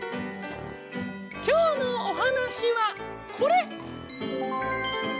きょうのおはなしはこれ。